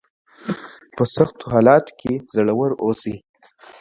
په سختو حالاتو کې زړور اوسئ.